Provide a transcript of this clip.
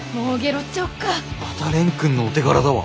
また蓮くんのお手柄だわ。